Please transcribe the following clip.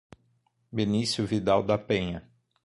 Benicio Vidal da Penha